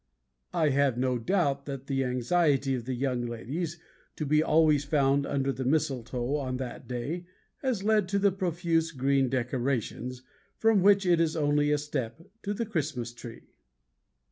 I have no doubt that the anxiety of the young ladies to be always found under the Mistletoe on that day has led to the profuse green decorations, from which it is only a step to the Christmas tree.